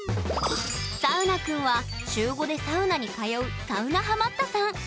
サウナくんは週５でサウナに通うサウナハマったさん。